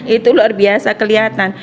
itu luar biasa kelihatan